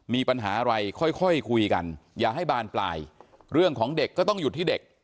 มีปัญหาอะไรค่อยคุยกันอย่าให้บานปลายเรื่องของเด็กก็ต้องหยุดที่เด็ก